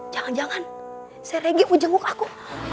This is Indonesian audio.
jangan jangan seregi mau jenguk aku